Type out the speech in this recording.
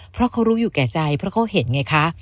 เพราะเขารู้อยู่แก่ใจเพราะเขาเห็นไงคะ